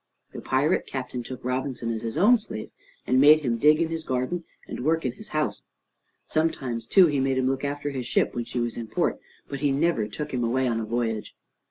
The pirate captain took Robinson as his own slave, and made him dig in his garden and work in his house. Sometimes, too, he made him look after his ship when she was in port, but he never took him away on a voyage.